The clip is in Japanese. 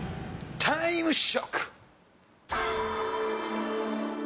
タイムショック！